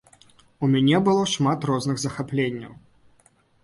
У мяне было шмат розных захапленняў.